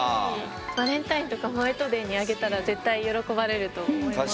バレンタインとかホワイトデーにあげたら絶対喜ばれると思います。